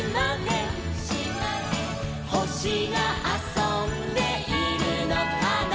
「ほしがあそんでいるのかな」